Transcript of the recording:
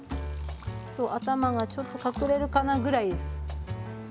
そう頭がちょっと隠れるかなぐらいです。